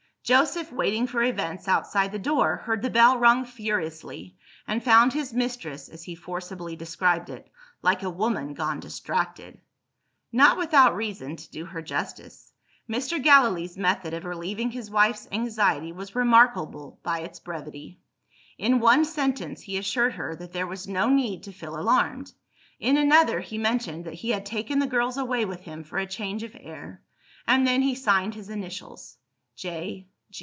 Joseph, waiting for events outside the door, heard the bell rung furiously; and found his mistress (as he forcibly described it) "like a woman gone distracted." Not without reason to do her justice. Mr. Gallilee's method of relieving his wife's anxiety was remarkable by its brevity. In one sentence, he assured her that there was no need to feel alarmed. In another, he mentioned that he had taken the girls away with him for a change of air. And then he signed his initials J.